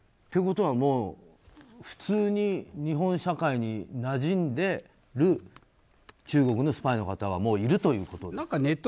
ということは普通に日本社会になじんでる中国のスパイの方はもういるということですね。